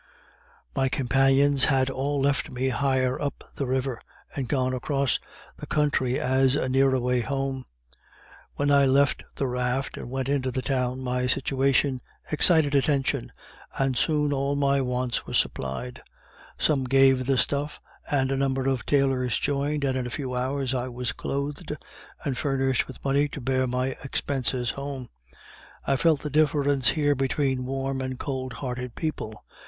My companions had all left me higher up the river, and gone across the country as a nearer way home. When I left the raft and went into the town my situation excited attention, and soon all my wants were supplied. Some gave the stuff, and a number of tailors joined, and in a few hours I was clothed, and furnished with money to bear my expenses home. I felt the difference here between warm and cold hearted people.